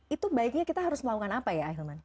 itu baiknya kita harus melakukan apa ya ahilman